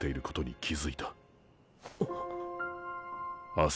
明日